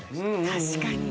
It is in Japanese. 確かに。